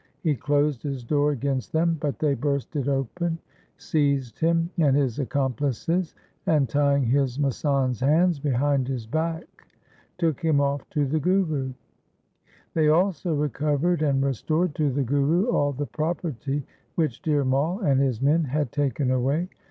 He closed his door against them, but they burst it open, seized him and his accomplices, and tying his masand's hands behind his back, took him off to the Guru. They also recovered and restored to the Guru all the property which Dhir Mai and his men had taken away.